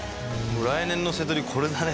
来年のセトリこれだね。